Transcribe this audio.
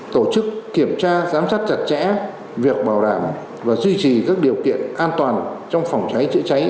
tổ chức kiểm tra giám sát chặt chẽ việc bảo đảm và duy trì các điều kiện an toàn trong phòng cháy chữa cháy